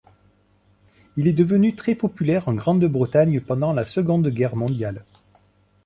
Il est devenu très populaire en Grande-Bretagne pendant la Seconde Guerre mondiale.